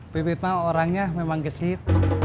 pipit mau orangnya memang gesit